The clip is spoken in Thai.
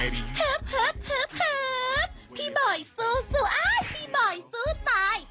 พี่บอยซูซูอ้าพี่บอยซูตาย